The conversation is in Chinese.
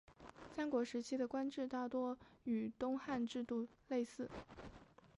三国时期的官制大多与东汉制度类似。